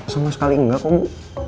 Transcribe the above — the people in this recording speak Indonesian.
sama sekali enggak bu